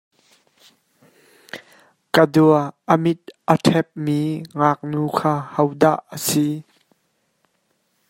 Kadua, a mit a ka ṭhepmi ngaknu kha ahodah a si?